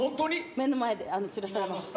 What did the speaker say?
目の前で知らされました。